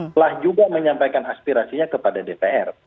telah juga menyampaikan aspirasinya kepada dpr